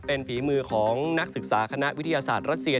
เป็นฝีมือของนักศึกษาคณะวิทยาศาสตร์รัสเซีย